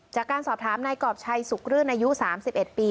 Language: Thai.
จากการสอบถามนายกรอบชัยสุขรื่นอายุ๓๑ปี